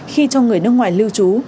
khi cho người nước ngoài lưu trú